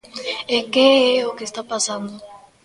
E que é o que está pasando.